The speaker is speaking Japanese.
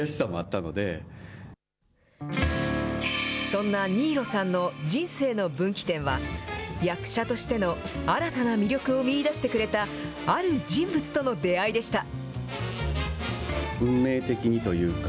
そんな新納さんの人生の分岐点は、役者としての新たな魅力を見いだしてくれたある人物との出会いでした。